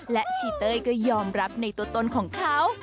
และชีเต้ยก็ยอมรับในตัวตนของเขา